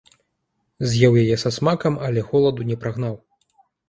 З'еў яе са смакам, але голаду не прагнаў.